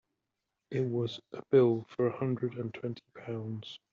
It was a bill for a hundred and twenty pounds.